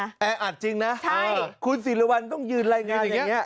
แออัดจริงนะใช่คุณศิริวัลต้องยืนรายงานอย่างนี้